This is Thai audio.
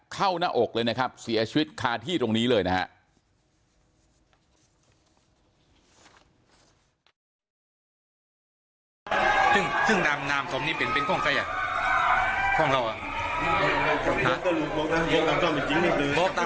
เข้าหน้าอกเลยนะครับเสียชีวิตคาที่ตรงนี้เลยนะฮะ